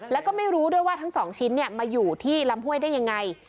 แล้วก็ไม่รู้ด้วยว่าทั้งสองชิ้นมาอยู่ที่ลำห้วยได้ยังไง